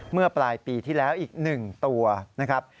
เมื่อปลายปีที่แล้วอีก๑ตัวนะครับ